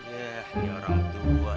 yah ini orang tua